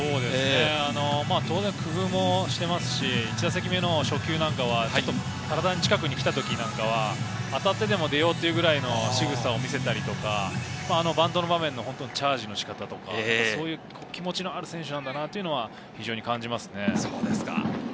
当然、工夫もしていますし、１打席目の初球なんかは、体の近くに来た時は当たってでも出ようというくらいのしぐさを見せたりとか、バントの場面でのチャージの仕方とか、気持ちのある選手なんだなと感じますね。